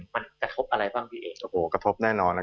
มันกระทบอะไรบ้างพี่เอง